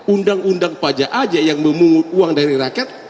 undang undang pajak aja yang memungut uang dari rakyat